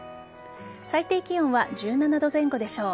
最低気温は１７度前後でしょう。